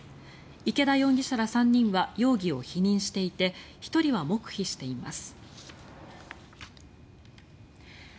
池田容疑者ら３人は容疑を否認していて１人は黙秘しています。